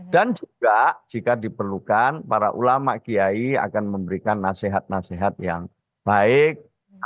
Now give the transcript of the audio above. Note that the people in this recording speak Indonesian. dan juga jika diperlukan para ulama kiai akan memberikan nasihat nasihat yang baik